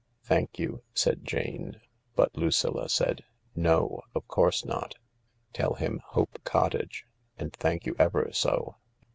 " Thank you," said Jane ; but Lucilla said, " No, of course not I Tell him Hope Cottage. And thank you ever so.